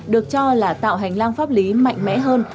được cho là tạo hành lang pháp lý mạnh mẽ hơn